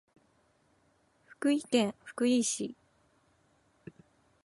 福井県福井市